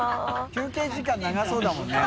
休憩時間長そうだもんね。